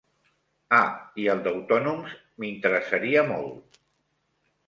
Ah, i el d'autònoms m'interessaria molt.